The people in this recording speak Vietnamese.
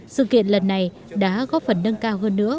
sự kiện lần này đã góp phần nâng cao hơn nữa